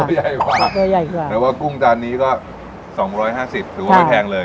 ใหญ่กว่าตัวใหญ่กว่าแต่ว่ากุ้งจานนี้ก็๒๕๐ถือว่าไม่แพงเลย